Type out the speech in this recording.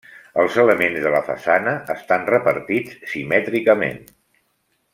Els elements de la façana estan repartits simètricament.